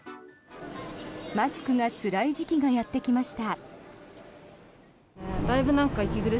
マスクがつらい時期がやってきました。